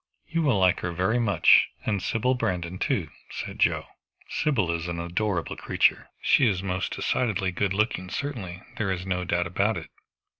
"You will like her very much, and Sybil Brandon too," said Joe. "Sybil is an adorable creature." "She is most decidedly good looking, certainly. There is no doubt about it."